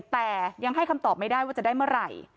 แต่ยังให้คำตอบไม่ได้ว่าจะได้เมื่อไหร่